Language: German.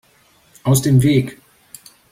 Aus dem Weg!